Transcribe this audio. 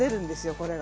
これが。